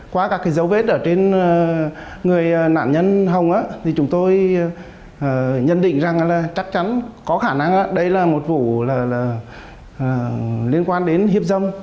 qua các dấu vết ở trên người nạn nhân hồng thì chúng tôi nhận định rằng là chắc chắn có khả năng đây là một vụ liên quan đến hiếp dâm